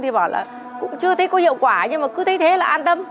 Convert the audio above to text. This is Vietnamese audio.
thì bảo là cũng chưa thấy có hiệu quả nhưng mà cứ thấy thế là an tâm